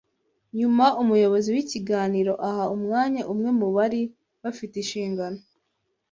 Nyuma umuyobozi w’ikiganiro aha umwanya umwe mu bari bafite inshingano